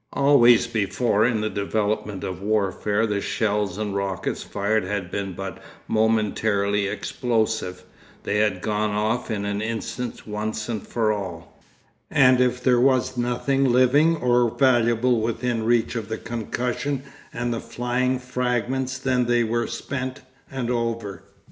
Always before in the development of warfare the shells and rockets fired had been but momentarily explosive, they had gone off in an instant once for all, and if there was nothing living or valuable within reach of the concussion and the flying fragments then they were spent and over.